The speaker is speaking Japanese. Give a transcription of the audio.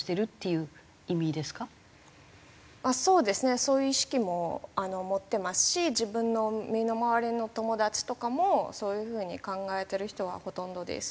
そういう意識も持ってますし自分の身の回りの友達とかもそういう風に考えてる人がほとんどです。